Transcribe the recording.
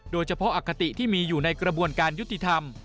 โดยเฉพาะอคติที่มีอยู่ในกระบวนการยุติธรรม